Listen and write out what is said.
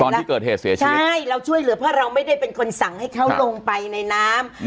ตอนที่เกิดเหตุเสียชีวิตใช่เราช่วยเหลือเพราะเราไม่ได้เป็นคนสั่งให้เขาลงไปในน้ำ